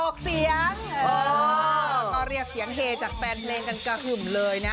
ก็เรียกเสียงเฮจากแปลนเพลงกันก็คืนเลยนะ